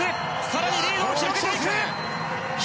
更にリードを広げていく！